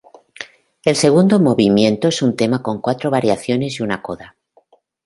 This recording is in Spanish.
El segundo movimiento es un tema con cuatro variaciones y una coda.